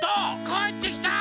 かえってきた！